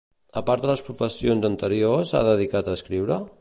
A part de les professions anteriors s'ha dedicat a escriure?